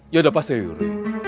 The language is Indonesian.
ya udah pasti ya yury